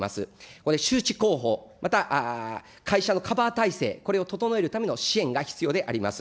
これ、周知広報、また会社のカバー体制、これを整えるための支援が必要であります。